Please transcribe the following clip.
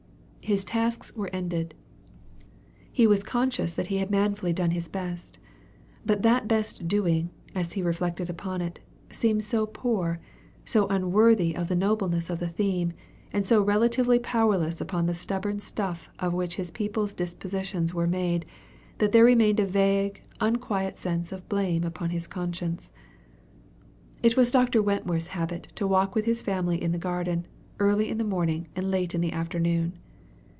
His tasks were ended. He was conscious that he had manfully done his best. But that best doing, as he reflected upon it, seemed so poor, so unworthy of the nobleness of the theme, and so relatively powerless upon the stubborn stuff of which his people's dispositions were made, that there remained a vague, unquiet sense of blame upon his conscience. It was Dr. Wentworth's habit to walk with his family in the garden, early in the morning and late in the afternoon.